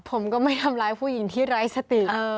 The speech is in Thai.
ผมก็ไม่ทำร้ายผู้หญิงที่ไร้สติ